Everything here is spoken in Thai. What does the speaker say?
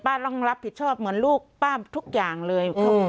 ต้องรับผิดชอบเหมือนลูกป้าทุกอย่างเลยครับ